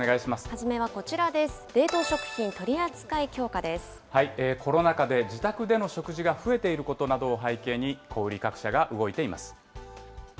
初めはこちらです、コロナ禍で自宅での食事が増えていることなどを背景に、小売り各社が動いています。